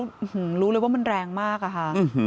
หึหึหึรู้เลยว่ามันแรงมากอะฮะ